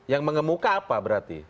jadi itu kemuka apa berarti